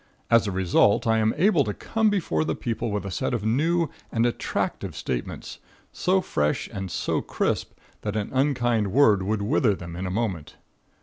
As a result, I am able to come before the people with a set of new and attractive statements, so fresh and so crisp that an unkind word would wither them in a moment.